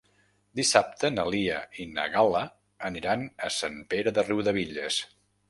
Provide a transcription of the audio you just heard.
Dissabte na Lia i na Gal·la aniran a Sant Pere de Riudebitlles.